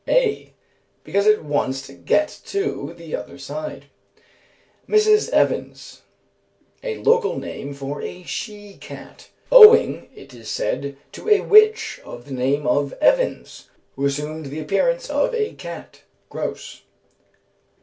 "A. Because it wants to get to the other side." Mrs. Evans. "A local name for a she cat, owing, it is said, to a witch of the name of Evans, who assumed the appearance of a cat." GROSE.